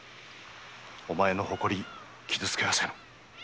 お前の誇り傷つけはせぬ。